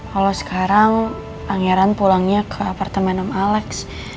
kalau sekarang pangeran pulangnya ke apartemen alex